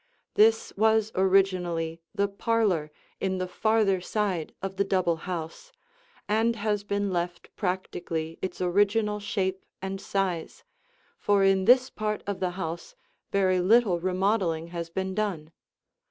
This was originally the parlor in the farther side of the double house and has been left practically its original shape and size, for in this part of the house very little remodeling has been done.